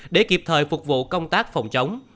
để kịp thời phục vụ công tác phòng chống